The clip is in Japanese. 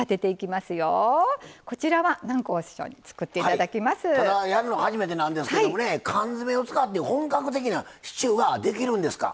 ただやるの初めてなんですけどもね缶詰を使って本格的なシチューができるんですか？